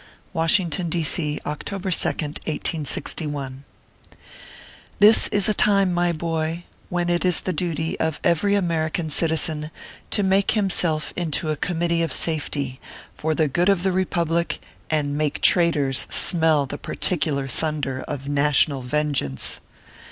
WASHINGTON, D. C., October 2d, 1861. THIS is a time, my boy, when it is the duty of every American citizen to make himself into a com mittee of safety, for the good of the republic, and make traitors smell the particular thunder of national vengeance.